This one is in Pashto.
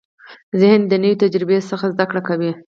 ذهن د نوې تجربې څخه زده کړه کوي.